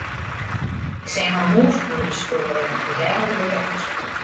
Ik seach in mûs ûnder de stoel rinnen en dêrom wie ik efkes fuort.